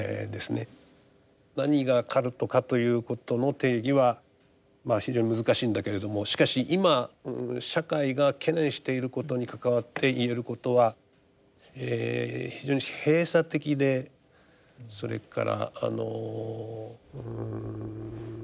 何がカルトかということの定義は非常に難しいんだけれどもしかし今社会が懸念していることに関わって言えることは非常に閉鎖的でそれからあのうん